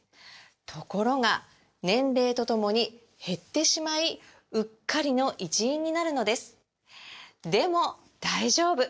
ところが年齢とともに減ってしまいうっかりの一因になるのですでも大丈夫！